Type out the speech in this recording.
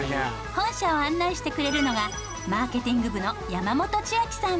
本社を案内してくれるのはマーケティング部の山本千晶さん。